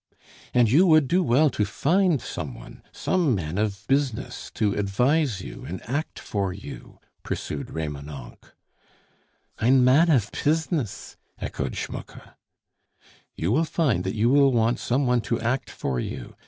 "And you would do well to find some one some man of business to advise you and act for you," pursued Remonencq. "Ein mann of pizness!" echoed Schmucke. "You will find that you will want some one to act for you.